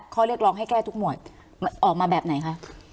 ข้อเรียกร้องให้แก้ทุกหมวดออกมาแบบไหนคะ